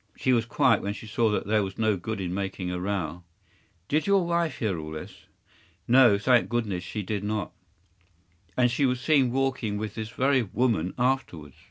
She was quiet when she saw that there was no good in making a row.” “Did your wife hear all this?” “No, thank goodness, she did not.” “And she was seen walking with this very woman afterwards?